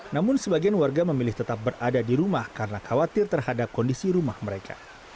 namun sebagian warga memilih tetap berada di rumah karena khawatir terhadap kondisi rumah mereka